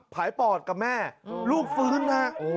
ภายปอดกับแม่ลูกฟื้นฮะ